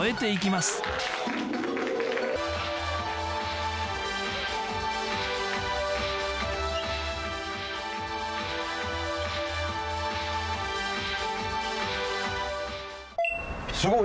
すごい